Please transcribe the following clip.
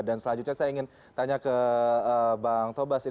dan selanjutnya saya ingin tanya ke bang tobas